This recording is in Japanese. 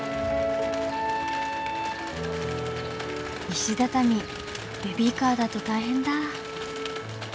石畳ベビーカーだと大変だ。